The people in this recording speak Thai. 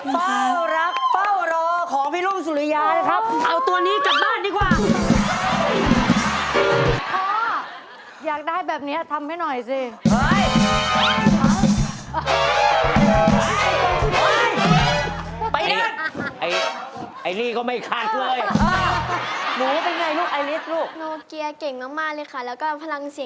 ไม่เห็นหน้าพี่ก็ไม่ไปเสื้อทุกรุงพ่อโดนใจ